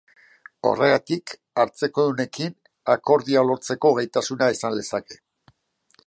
Horregatik, hartzekodunekin akordioa lortzeko gaitasuna izan lezake.